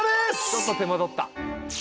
ちょっと手間取った。